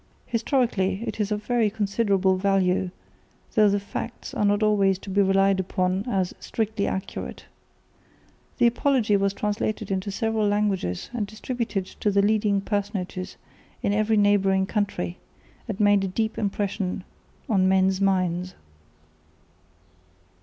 Historically it is of very considerable value, though the facts are not always to be relied upon as strictly accurate. The Apology was translated into several languages and distributed to the leading personages in every neighbouring country, and made a deep impression on men's minds.